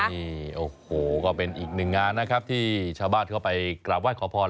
นี่โอ้โหก็เป็นอีกหนึ่งงานนะครับที่ชาวบ้านเข้าไปกราบไห้ขอพร